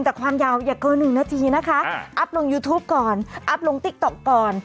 แต่ความยาวอย่าเกิน๑นาทีนะคะอัพลงยูทูปก่อนอัพลงติ๊กต๊อกก่อน